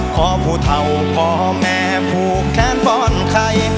ขอผู้เท่าพ่อแม่ผูกแขนป้อนไข่